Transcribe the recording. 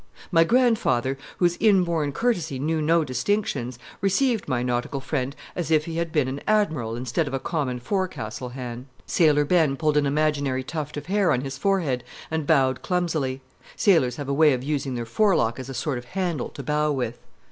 My grandfather, whose inborn courtesy knew no distinctions, received my nautical friend as if he had been an admiral instead of a common forecastle hand. Sailor Ben pulled an imaginary tuft of hair on his forehead, and bowed clumsily. Sailors have a way of using their forelock as a sort of handle to bow with.